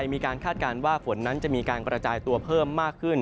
คาดการณ์ว่าฝนนั้นจะมีการกระจายตัวเพิ่มมากขึ้น